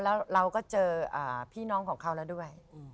แล้วเราก็เจอพี่น้องของเขาแล้วด้วย